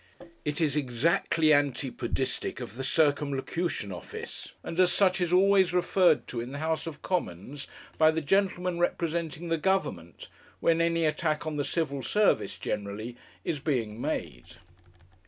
It is exactly antipodistic of the Circumlocution Office, and as such is always referred to in the House of Commons by the gentleman representing the Government when any attack on the Civil Service, generally, is being made.